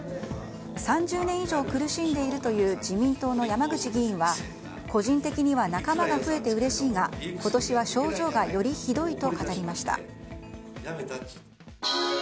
３０年以上苦しんでいるという自民党の山口議員は個人的には仲間が増えてうれしいが今年は症状がよりひどいと語りました。